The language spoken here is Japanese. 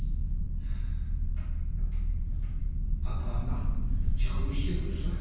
明子はんな遅刻してくるそうや。